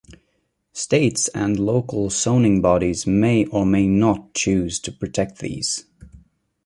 States and local zoning bodies may or may not choose to protect these.